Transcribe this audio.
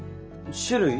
種類？